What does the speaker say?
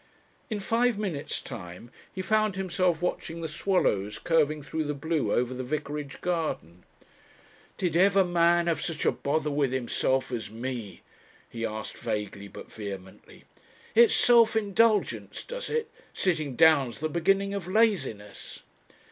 In five minutes' time he found himself watching the swallows curving through the blue over the vicarage garden. "Did ever man have such a bother with himself as me?" he asked vaguely but vehemently. "It's self indulgence does it sitting down's the beginning of laziness."